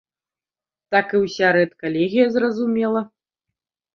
Так і ўся рэдкалегія зразумела.